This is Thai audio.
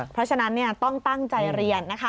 เพราะฉะนั้นต้องตั้งใจเรียน